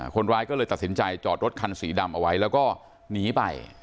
คนร้ายก็เลยตัดสินใจจอดรถคันสีดำเอาไว้แล้วก็หนีไป